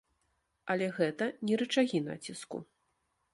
Але гэта не рычагі націску.